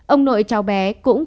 ông nội cháu bé cũng